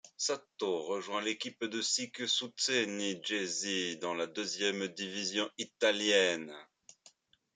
Sato rejoint l'équipe de Sicc Cucine Jesi dans la deuxième division italienne.